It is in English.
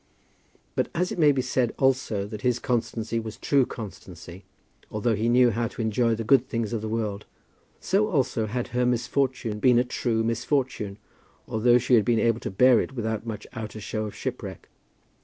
But as it may be said also that his constancy was true constancy, although he knew how to enjoy the good things of the world, so also had her misfortune been a true misfortune, although she had been able to bear it without much outer show of shipwreck.